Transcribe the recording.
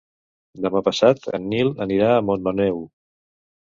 Demà passat en Nil anirà a Montmaneu.